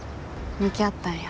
向き合ったんや。